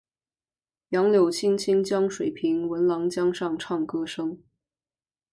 杨柳青青江水平，闻郎江上唱歌声。